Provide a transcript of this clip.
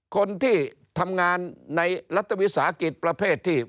คนที่ทำงานในรัฐวิทยาศาสตร์ประเภทที่